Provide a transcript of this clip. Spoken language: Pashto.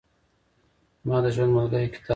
زما د ژوند ملګری کتاب دئ.